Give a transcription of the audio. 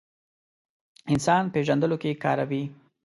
انسان پېژندلو کې کاروي.